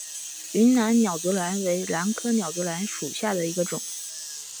云南鸟足兰为兰科鸟足兰属下的一个种。